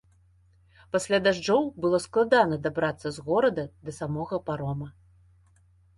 Пасля дажджоў было складана дабрацца з горада да самога парома.